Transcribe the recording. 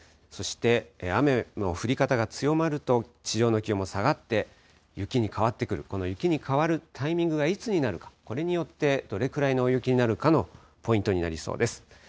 そして雨の降り方が強まると、地上の気温も下がって雪に変わってくる、この雪に変わるタイミングがいつになるか、これによって、どれくらいの大雪になるかのポイントになりそうです。